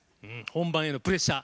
本番のプレッシャー